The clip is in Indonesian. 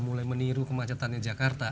mulai meniru kemacetannya jakarta